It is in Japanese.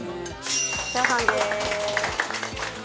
チャーハンです！